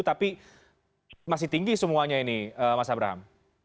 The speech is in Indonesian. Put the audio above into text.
tapi masih tinggi semuanya ini mas abraham